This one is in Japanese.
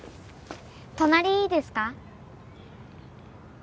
隣いいですか？